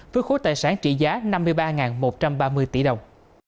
với khối tài sản trị giá năm mươi ba một trăm ba mươi tỷ đồng